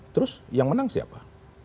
terus yang menang siapa